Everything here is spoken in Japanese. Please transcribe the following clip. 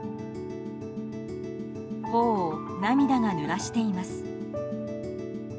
頬を涙がぬらしています。